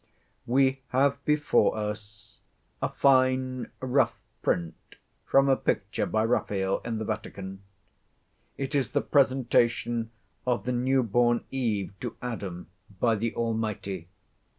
We have before us a fine rough print, from a picture by Raphael in the Vatican. It is the Presentation of the newborn Eve to Adam by the Almighty.